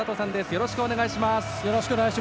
よろしくお願いします。